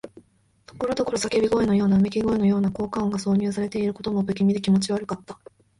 ところどころ叫び声のような、うめき声のような効果音が挿入されていることも、不気味で気持ち悪かった。